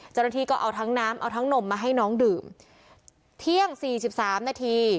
เจ้าหน้าที่ก็เอาทั้งน้ำเอาทั้งนมมาให้น้องดื่มเที่ยงสี่สิบสามนาที